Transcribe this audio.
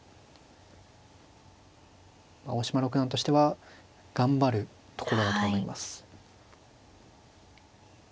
青嶋六段としては頑張るとこだろうと思います。